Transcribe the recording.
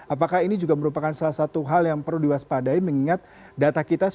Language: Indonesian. apakah ini juga merupakan salah satu hal yang perlu diwaspadai mengingat data kita